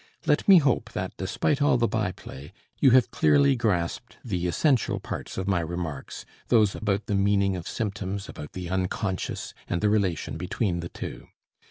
Let me hope that, despite all the by play, you have clearly grasped the essential parts of my remarks, those about the meaning of symptoms, about the unconscious, and the relation between the two.